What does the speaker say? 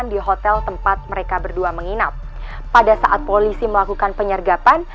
di hotel tempat mereka berdua menginap pada saat polisi melakukan penyergapan